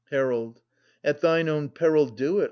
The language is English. Herald. At thine own peril do it